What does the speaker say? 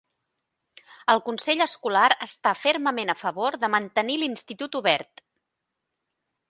El consell escolar està fermament a favor de mantenir l'institut obert.